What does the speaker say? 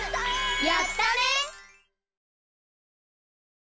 やったね！